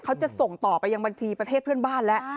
เขาจะส่งต่อไปยังบัญชีประเทศเพื่อนบ้านแล้ว